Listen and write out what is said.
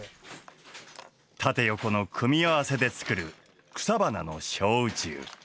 経よこの組み合わせで作る草花の小宇宙。